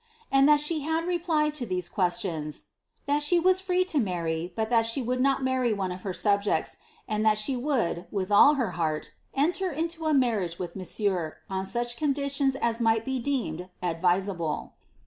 and that the had replied to these questions, ^ that she was free to marry, but that ibe would not marry one of her subjects, and that she would, with all her heart, enter into a marriaee with monsieur, on such conditions as might be deemed advisable.'